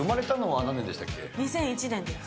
２００１年です。